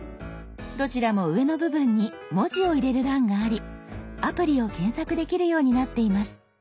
どちらも上の部分に文字を入れる欄がありアプリを検索できるようになっています。